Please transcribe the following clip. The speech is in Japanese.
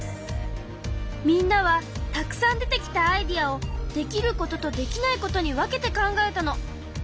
みんなはたくさん出てきたアイデアをできることとできないことに分けて考えたの。